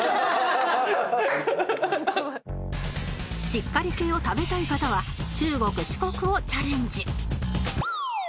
しっかり系を食べたい方は中国四国をチャレンジ